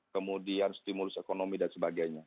kemudian stimulus ekonomi dan sebagainya